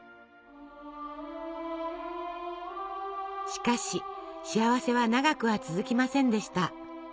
しかし幸せは長くは続きませんでした。